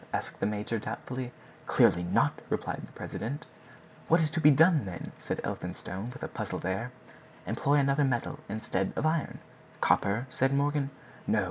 asked the major doubtfully. "Clearly not!" replied the president. "What is to be done, then?" said Elphinstone, with a puzzled air. "Employ another metal instead of iron." "Copper?" said Morgan. "No!